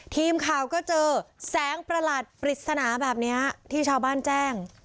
ทีมข่าวก็เจอแสงประหลาดปริศนาแบบนี้ที่ชาวบ้านแจ้ง